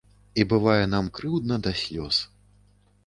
І бывае нам крыўдна да слёз.